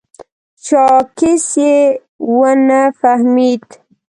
چاکېس یې و نه فهمېد.